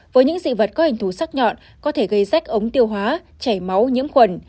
với những dị vật có hình thú sắc nhọn có thể gây rách ống tiêu hóa chảy máu nhiễm khuẩn